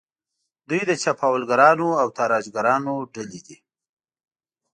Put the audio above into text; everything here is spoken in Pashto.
دوی د چپاولګرانو او تاراجګرانو ډلې دي.